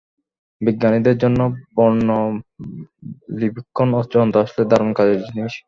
বিজ্ঞানীদের জন্য বর্ণালিবীক্ষণ যন্ত্র আসলে দারুণ কাজের জিনিস।